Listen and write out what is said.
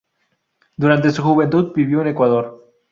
Durante su juventud vivió en Ecuador.